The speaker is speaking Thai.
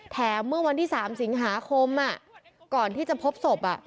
เมื่อวันที่๓สิงหาคมก่อนที่จะพบศพ